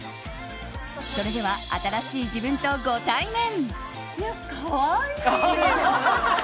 それでは新しい自分とご対面。